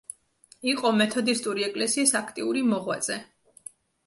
იყო მეთოდისტური ეკლესიის აქტიური მოღვაწე.